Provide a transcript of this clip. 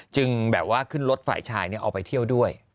จึงขึ้นรถฝ่ายชายนี้เอาไปเที่ยวด้วย